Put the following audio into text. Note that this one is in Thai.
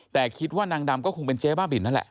แต่คิดว่านางดำก็คงเป็นเจ๊บ้าบินนั่นแหละ